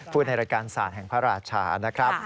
พูดในรัฐการณ์ศาลแห่งพระราชานะครับ